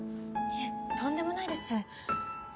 いえとんでもないです。